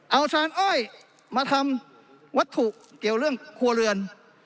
เอาชานอ้อยมาทำวัตถุเกี่ยวเรื่องครัวเรือน